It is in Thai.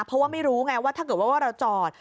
เพราะว่าไม่รู้ไงว่าถ้าเกิดว่าเราจอด